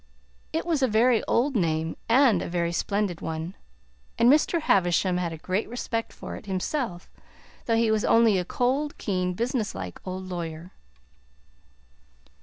It was a very old name and a very splendid one, and Mr. Havisham had a great respect for it himself, though he was only a cold, keen, business like old lawyer.